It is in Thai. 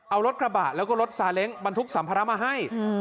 เอารถกระบะแล้วก็รถซาเล้งบรรทุกสัมภาระมาให้